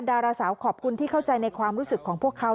ดาราสาวขอบคุณที่เข้าใจในความรู้สึกของพวกเขา